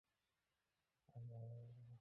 ওর পেটে অনেক ক্ষুধা।